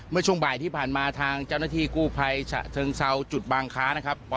เมื่อช่วงบ่ายที่ผ่านมาทางเจ้าหน้าที่กู้ภัยฉะเชิงเซาจุดบางค้านะครับ